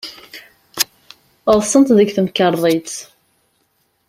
Ḍḍsent deg temkarḍit.